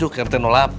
ke rt delapan